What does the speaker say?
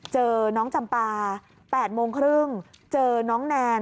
เจอน้องจำปา๘โมงครึ่งเจอน้องแนน